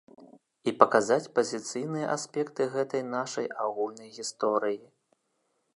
І паказаць пазіцыйныя аспекты гэтай нашай агульнай гісторыі.